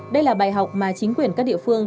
đây là bài học mà chính quyền các địa phương